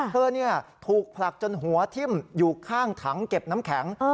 เธอถูกผลักจนหัวทิ้มอยู่ข้างถังเก็บน้ำแข็ง